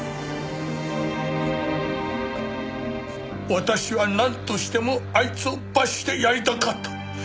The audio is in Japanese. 私はなんとしてもあいつを罰してやりたかった。